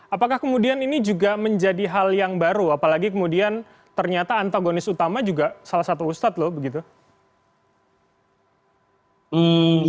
apakah kemudian ini juga menjadi hal yang baru apalagi kemudian ternyata antagonis utama juga salah satu ustadz loh begitu